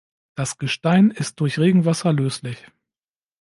Das Gestein ist durch Regenwasser löslich.